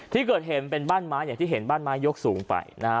ที่เกิดเห็นเป็นบ้านม้าเนี่ยที่เห็นบ้านม้ายกสูงไปนะฮะ